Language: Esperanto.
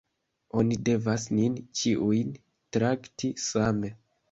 Oni devas nin ĉiujn trakti same.